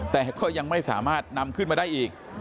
แต่ก็ยังไม่สามารถนำขึ้นมาได้อีก